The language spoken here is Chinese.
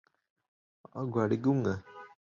查孜乡是的一个乡镇级行政单位。